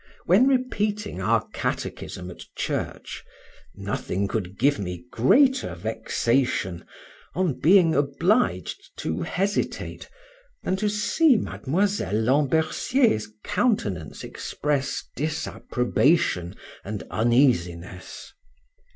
When repeating our catechism at church, nothing could give me greater vexation, on being obliged to hesitate, than to see Miss Lambercier's countenance express disapprobation and uneasiness.